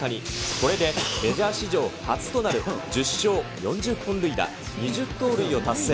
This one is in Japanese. これでメジャー史上初となる１０勝４０本塁打２０盗塁を達成。